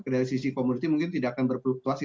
dari sisi komoditi mungkin tidak akan berfluktuasi